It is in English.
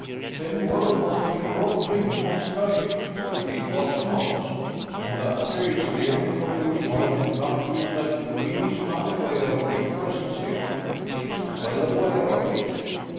"Then word must have been brought to him from Skye?" "It was not." "In that case the only conclusion I can come to is that the king is unaware of your presence here." "He is well aware of it."